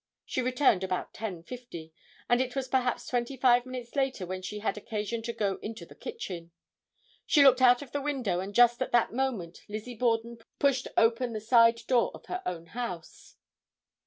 She returned about 10:50, and it was perhaps twenty five minutes later when she had occasion to go into the kitchen. She looked out of the window and just at that moment Lizzie Borden pushed open the side door of her own house.